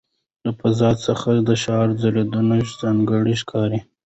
د فضا څخه د ښارونو ځلېدنه ځانګړې ښکاري.